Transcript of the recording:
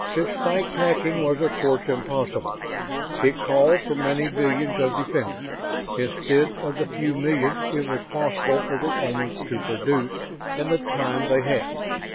Such tight packing was of course impossible. It called for many billions of defenders instead of the few millions it was possible for the Omans to produce in the time they had.